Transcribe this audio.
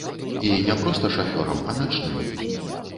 І не проста шафёрам, а начным.